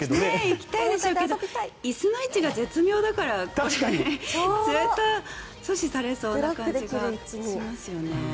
行きたいでしょうけど椅子の位置が絶妙だから絶対阻止されそうな感じがしますよね。